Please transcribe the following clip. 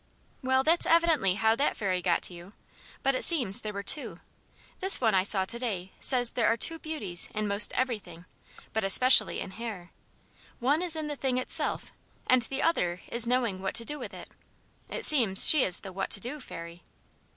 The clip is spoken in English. "Well, that's evidently how that fairy got to you. But it seems there were two. This one I saw to day says there are two beauties in 'most everything but especially in hair one is in the thing itself and the other is in knowing what to do with it. It seems she is the 'what to do' fairy."